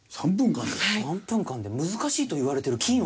３分間で難しいといわれてる金をですか？